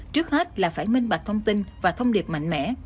trước hết là phải minh bạch thông tin và thông điệp mạnh mẽ